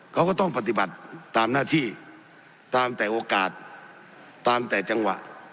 เขาก็ต้องปฏิบัติตามหน้าที่ตามแต่โอกาสตามแต่จังหวะ